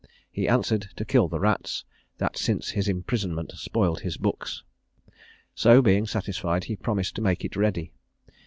He answered, 'To kill the rats, that since his imprisonment spoiled his books;' so being satisfied, he promised to make it ready.